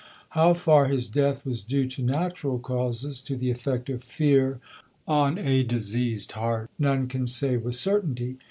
How far his death was due to natural causes, to the effect of fear on a diseased heart, none can say with certainty.